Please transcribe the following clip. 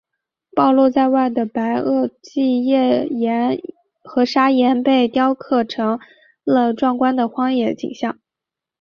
暴露在外的白垩纪页岩和砂岩被雕刻成了壮观的荒野景象。